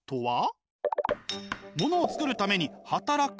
ものを作るために働く。